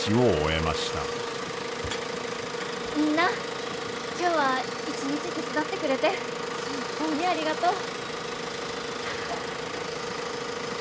みんな今日は一日手伝ってくれて本当にありがとう！